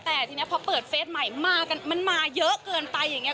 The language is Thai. แต่ทีนี้พอเปิดเฟสใหม่มามันมาเยอะเกินไปอย่างนี้